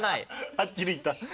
はっきり言った。